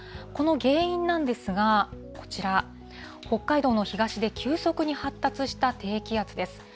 この原因なんですが、こちら、北海道の東で急速に発達した低気圧です。